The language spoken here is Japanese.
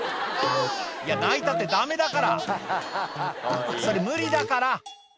いや泣いたってダメだからそれ無理だから！